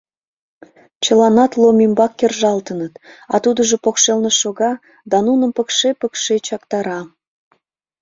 Чыланат Лом ӱмбак кержалтыныт, а тудыжо покшелне шога да нуным пыкше-пыкше чактара.